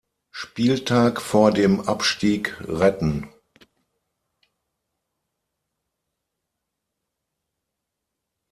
Spieltag vor dem Abstieg retten.